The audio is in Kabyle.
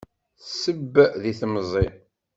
Sseb si temẓi.